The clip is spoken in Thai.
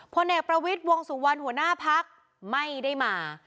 พลเอกประวิทย์วงสุวรรณหัวหน้าพักไม่ได้มา